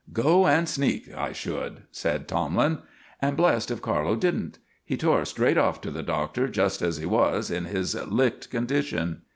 "Go and sneak, I should," said Tomlin. And blessed if Carlo didn't! He tore straight off to the Doctor just as he was, in his licked condition.